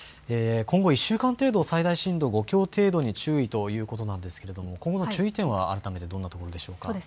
今後１週間程度、最大震度５強程度に注意ということなんですけれども、今後の注意点は改めてどんなところでしょうか。